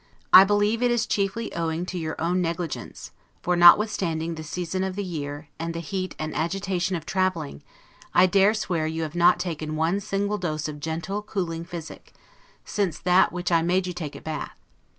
I believe it is chiefly owing to your own negligence; for, notwithstanding the season of the year, and the heat and agitation of traveling, I dare swear you have not taken one single dose of gentle, cooling physic, since that which I made you take at Bath.